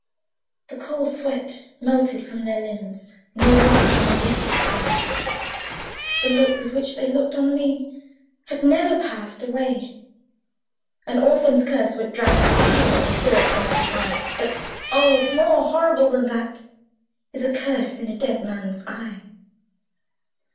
The cold sweat melted from their limbs, Nor rot nor reek did they: The look with which they looked on me Had never passed away. An orphan's curse would drag to Hell A spirit from on high; But oh! more horrible than that Is a curse in a dead man's eye!